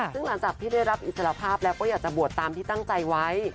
ซึ่งหลังจากที่ได้รับอิสรภาพแล้วก็อยากจะบวชตามที่ตั้งใจไว้